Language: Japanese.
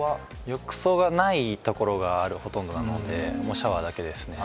浴槽がないところがほとんどなのでシャワーだけですね。